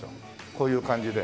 こういう感じで。